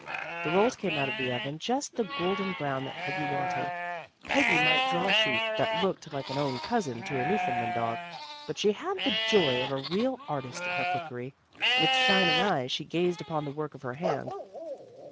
The rolls came out of the oven just the golden brown that Peggy wanted. Peggy might draw a sheep that looked like an own cousin to a Newfoundland dog, but she had the joy of a real artist in her cookery. With shining eyes she gazed upon the work of her hand.